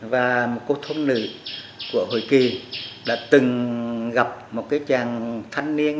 và một cô thôn nữ của hội kỳ đã từng gặp một cái chàng thanh niên